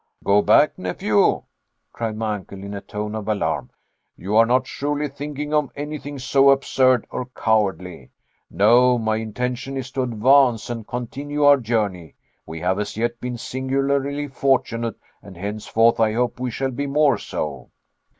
"Go back, nephew," cried my uncle in a tone of alarm, "you are not surely thinking of anything so absurd or cowardly. No, my intention is to advance and continue our journey. We have as yet been singularly fortunate, and henceforth I hope we shall be more so."